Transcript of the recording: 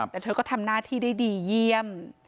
แต่เธอก็ทำหน้าที่ได้ดีเยี่ยม